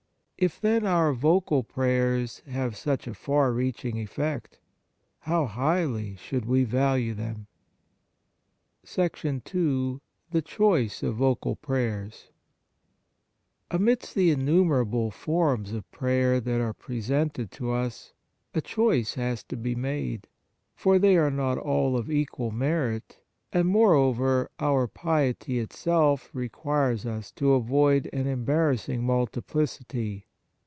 If, then, our vocal prayers have such a far reaching effect, how highly should we value them ! II The Choice of Vocal Prayers Amidst the innumerable forms of prayer that are presented to us, a choice has to be made, for they are not all of equal merit, and, moreover, our piety itself requires us to avoid an embarrassing multiplicity.